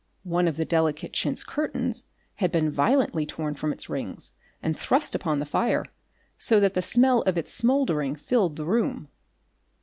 One of the delicate chintz curtains had been violently torn from its rings and thrust upon the fire, so that the smell of its smouldering filled the room.